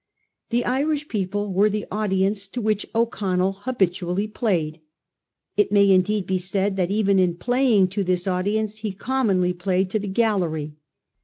The Irish people were the audience to which O'Connell habitually played. It may indeed be said that even in playing to this audience he com monly played to the gallery.